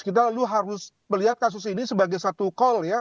kita lalu harus melihat kasus ini sebagai satu call ya